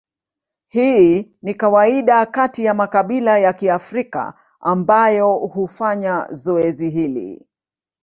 Hii ni kawaida kati ya makabila ya Kiafrika ambayo hufanya zoezi hili.